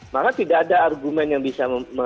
maka tidak ada argumen yang bisa